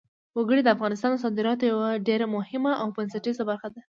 وګړي د افغانستان د صادراتو یوه ډېره مهمه او بنسټیزه برخه ده.